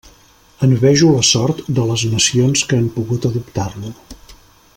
Envejo la sort de les nacions que han pogut adoptar-lo.